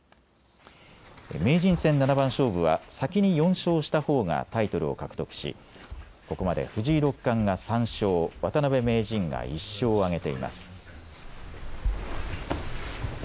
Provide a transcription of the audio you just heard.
名人戦七番勝負は先に４勝したほうがタイトルを獲得しここまで藤井六冠が３勝、渡辺名人が１勝を挙げています。